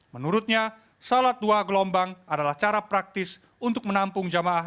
menurutnya salat tua gelombang adalah cara praktis untuk menampung jamaah